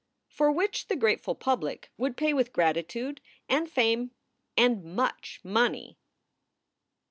For which the grateful public would pay with gratitude and fame and much money.